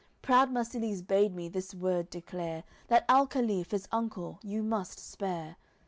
Proud Marsilies bade me this word declare That alcaliph, his uncle, you must spare.